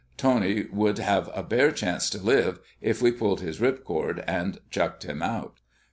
Tony would have a bare chance to live if we pulled his ripcord and chucked him out."